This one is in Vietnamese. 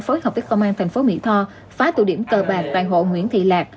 phối hợp với công an thành phố mỹ tho phá tụ điểm cờ bạc toàn hộ nguyễn thị lạc